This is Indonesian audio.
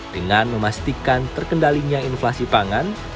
dengan memastikan terkendalinya inflasi pangan